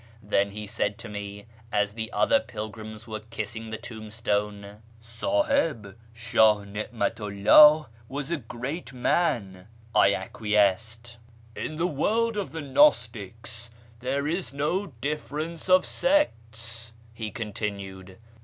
Then he said to me, as the other pilgrims were kissing the tombstone, " SdJiib, Shah Ni'matu 'llah was a great man," I acquiesced. " In the world of the gnostics there is no difference of sects," he continued.